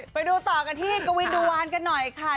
ไปดูต่อกันที่กวินดูวานกันหน่อยค่ะ